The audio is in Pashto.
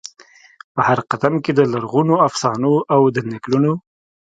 په هرقدم کې د لرغونو افسانو او د نکلونو،